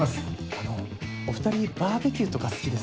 あのお２人バーベキューとか好きですか？